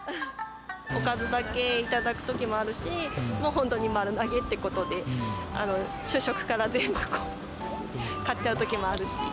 おかずだけ頂くときもあるし、もう本当に丸投げってことで、主食から全部買っちゃうときもあるし。